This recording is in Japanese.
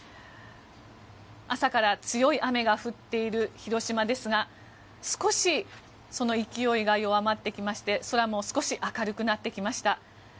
朝から強い雨が降っている広島ですが少しその勢いが弱まってきまして空も少し明るくなってきました。